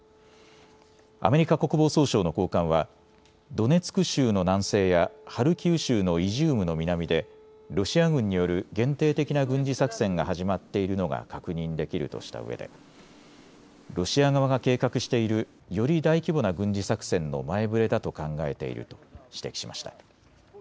アメリカ国防総省の高官はドネツク州の南西やハルキウ州のイジュームの南でロシア軍による限定的な軍事作戦が始まっているのが確認できるとしたうえでロシア側が計画しているより大規模な軍事作戦の前触れだと考えていると指摘しました。